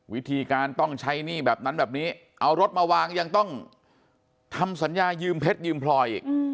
วิธีการต้องใช้หนี้แบบนั้นแบบนี้เอารถมาวางยังต้องทำสัญญายืมเพชรยืมพลอยอีก